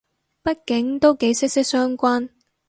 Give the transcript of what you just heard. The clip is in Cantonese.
畢竟都幾息息相關